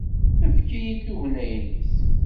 Efk-iyi-d tugna-nnes!